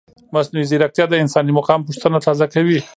مصنوعي ځیرکتیا د انساني مقام پوښتنه تازه کوي.